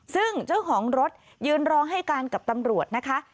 ซึ่งเจ้าของรถยืนรอให้การกับตำรวจนะคะ